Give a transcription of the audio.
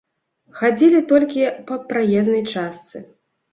Хадзілі толькі па праезнай частцы.